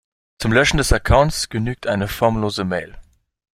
Zum Löschen des Accounts genügt eine formlose Mail.